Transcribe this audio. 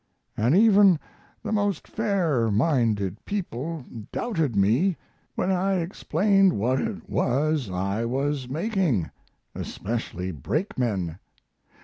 And even the most fair minded people doubted me when I explained what it was I was making especially brakemen.